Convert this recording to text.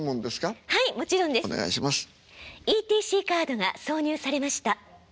「ＥＴＣカードが挿入されました」。